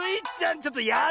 ちょっとやるな！